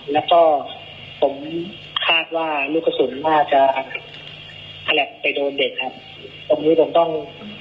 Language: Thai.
แล้วก็ผมคาดว่าลูกกระสุนน่าจะถนัดไปโดนเด็กครับตรงนี้ผมต้อง